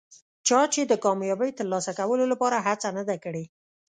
چا چې د کامیابۍ ترلاسه کولو لپاره هڅه نه ده کړي.